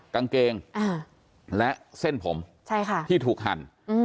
กางเกงและเส้นผมที่ถูกหั่น